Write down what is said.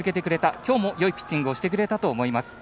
きょうもよいピッチングをしてくれたと思います。